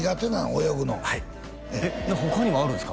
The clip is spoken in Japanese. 泳ぐのはい他にはあるんですか？